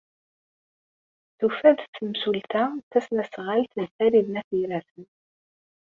Tufa-d temsulta tasnasɣalt n Farid n At Yiraten.